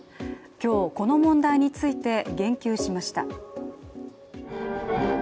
今日、この問題について言及しました。